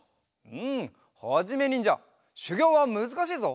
うんはじめにんじゃしゅぎょうはむずかしいぞ。